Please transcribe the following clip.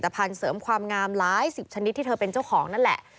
พันธุ์เสริมความงามหลายสิบชนิดที่เธอเป็นเจ้าของนั่นแหละ